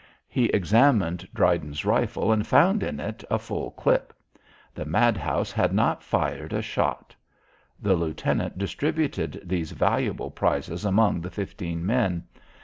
He examined Dryden's rifle and found in it a full clip. The madhouse had not fired a shot. The lieutenant distributed these valuable prizes among the fifteen men.